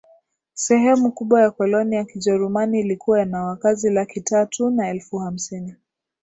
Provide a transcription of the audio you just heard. sehemu kubwa ya koloni la Kijerumani ilikuwa na wakazi laki tatu na elfu hamsini